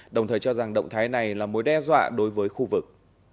đồng thời cho rằng động thái này là mối đe dọa đối với khu vực